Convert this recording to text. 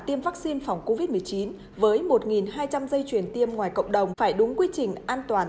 tiêm vaccine phòng covid một mươi chín với một hai trăm linh dây truyền tiêm ngoài cộng đồng phải đúng quy trình an toàn